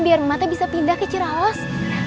biar emak teh bisa pindah ke ciraos